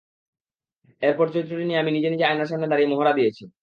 এরপর চরিত্রটি নিয়ে আমি নিজে নিজে আয়নার সামনে দাঁড়িয়ে মহড়া দিয়েছি।